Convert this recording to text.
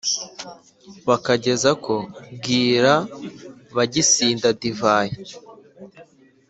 bakageza ko bwira bagisinda divayi.